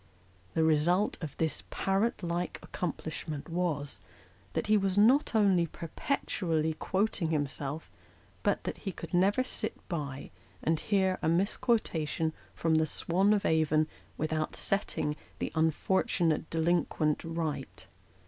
The result of this parrot like accomplishment was, that he was not only perpetually quoting himself, but that he could never sit by, T 322 Sketches by Boz. and hear a misquotation from the " Swan of Avon " without setting the unfortunate delinquent right.